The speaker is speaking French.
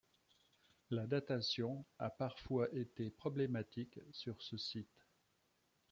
La datation a parfois été problématique sur ce site.